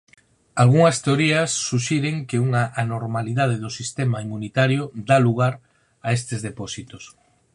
Algunhas teorías suxiren que unha anormalidade do sistema inmunitario dá lugar a estes depósitos.